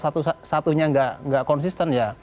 satu satunya nggak konsisten ya